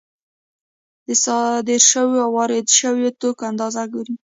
د صادر شویو او وارد شویو توکو اندازه ګوري